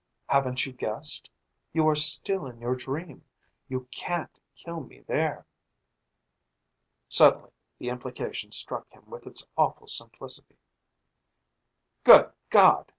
"Haven't you guessed? You are still in your dream. You can't kill me there." Suddenly the implication struck him with its awful simplicity. "Good God!"